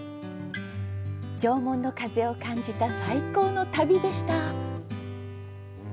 縄文の風を感じた最高の旅でした。